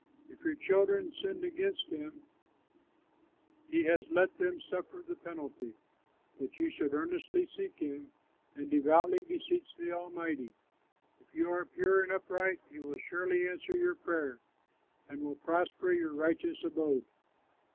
If your children sinned against him, He has let them suffer the penalty; But you should earnestly seek him, And devoutly beseech the Almighty. If you are pure and upright, He will surely answer your prayer, And will prosper your righteous abode."